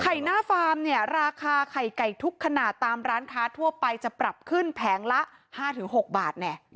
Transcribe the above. หน้าฟาร์มเนี่ยราคาไข่ไก่ทุกขนาดตามร้านค้าทั่วไปจะปรับขึ้นแผงละ๕๖บาทแน่